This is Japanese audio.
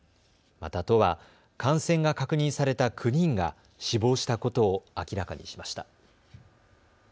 また、都は感染が確認された９人が死亡したことを明らかにしました。